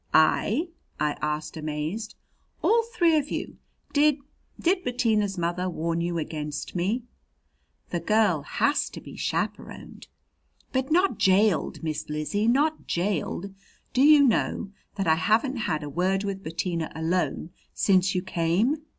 "I?" I asked, amazed. "All three of you. Did did Bettina's mother warn you against me?" "The girl has to be chaperoned." "But not jailed, Miss Lizzie, not jailed! Do you know that I haven't had a word with Bettina alone since you came?"